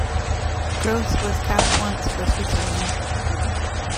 Gross was capped once for Switzerland.